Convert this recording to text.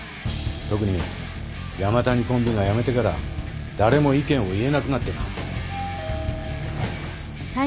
特に山谷コンビが辞めてから誰も意見を言えなくなってな。